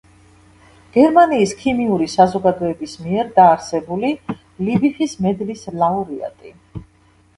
გერმანიის ქიმიური საზოგადოების მიერ დაარსებული ლიბიხის მედლის ლაურეატი.